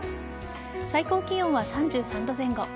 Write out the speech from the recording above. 最高気温は３３度前後。